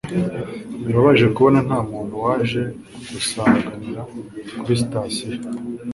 birababaje kubona ntamuntu waje kugusanganira kuri sitasiyo